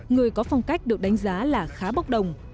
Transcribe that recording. người có phong cách được đánh giá là khá bốc đồng